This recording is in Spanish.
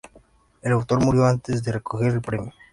El autor murió antes de recoger el premio.